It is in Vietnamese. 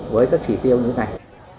với các chỉ tiêu như thế này